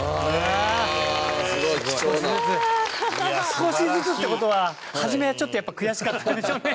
少しずつって事は初めは、ちょっと、やっぱ悔しかったんでしょうね